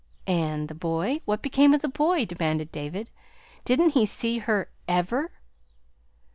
"And the boy? what became of the boy?" demanded David. "Didn't he see her ever?"